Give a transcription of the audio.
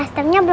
apa kabar nu